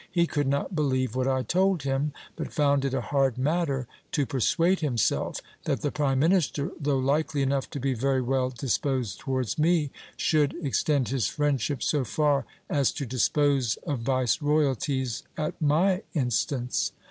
He could not believe what I told him ; but found it a hard matter to persuade himself, that the prime minister, though likely enough to be very well disposed towards me, should ex tend his friendship so far as to dispose of viceroyalties at my instance.